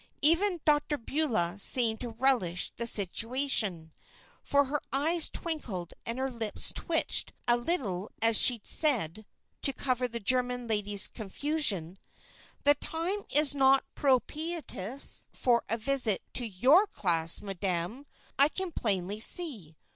Even Dr. Beulah seemed to relish the situation, for her eyes twinkled and her lips twitched a little as she said to cover the German lady's confusion: "The time is not propitious for a visit to your class, Madam, I can plainly see.